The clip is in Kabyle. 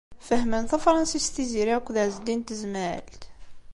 Fehhmen tafṛansist Tiziri akked Ɛezdin n Tezmalt?